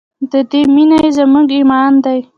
د دې مینه زموږ ایمان دی؟